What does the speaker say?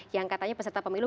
yang katanya peserta pemilu